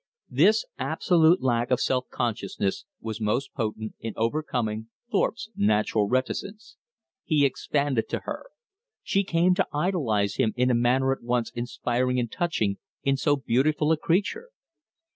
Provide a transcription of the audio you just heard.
This absolute lack of self consciousness was most potent in overcoming Thorpe's natural reticence. He expanded to her. She came to idolize him in a manner at once inspiring and touching in so beautiful a creature.